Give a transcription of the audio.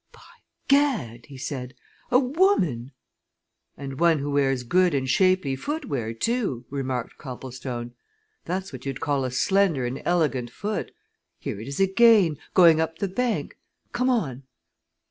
"By Gad!" he said. "A woman!" "And one who wears good and shapely footwear, too," remarked Copplestone. "That's what you'd call a slender and elegant foot. Here it is again going up the bank. Come on!"